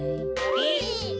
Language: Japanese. えっ。